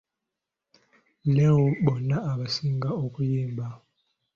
Leo bonna abasinga okuyimba!